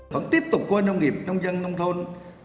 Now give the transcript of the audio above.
vẫn tiếp tục coi nông nghiệp nông dân nông thôn